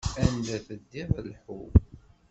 Anga teddiḍ, lḥu.